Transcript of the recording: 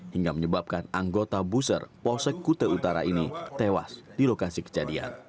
hingga menyebabkan anggota buser posek kute utara ini tewas di lokasi kejadian